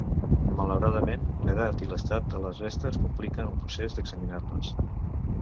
Malauradament, l'edat i l'estat de les restes compliquen el procés d'examinar-les.